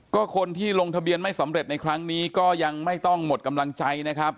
ก็คนที่ลงทะเบียนไม่สำเร็จในครั้งนี้ก็ยังไม่ต้องหมดกำลังใจนะครับ